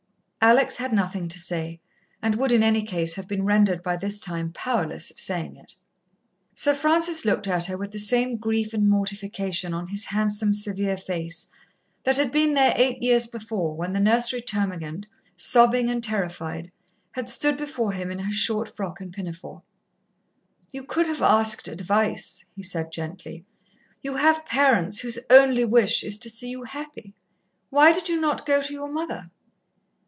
Alex had nothing to say, and would, in any case, have been rendered by this time powerless of saying it. Sir Francis looked at her with the same grief and mortification on his handsome, severe face that had been there eight years before when the nursery termagant, sobbing and terrified, had stood before him in her short frock and pinafore. "You could have asked advice," he said gently. "You have parents whose only wish is to see you happy. Why did you not go to your mother?"